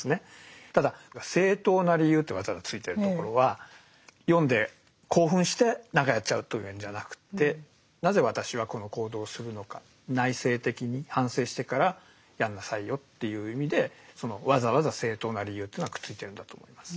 ただ「正当な理由」ってわざわざ付いてるところは読んで興奮して何かやっちゃうとかいうんじゃなくってなぜ私はこの行動をするのか内省的に反省してからやんなさいよっていう意味でそのわざわざ「正当な理由」というのはくっついてるんだと思います。